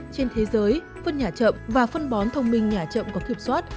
trên thế giới phân nhà chậm và phân bón thông minh nhà chậm có kiểm soát